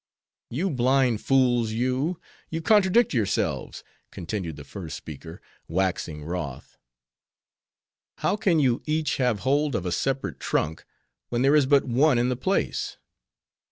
'You blind fools, you, you contradict yourselves,' continued the first speaker, waxing wroth; 'how can you each have hold of a separate trunk, when there is but one in the place?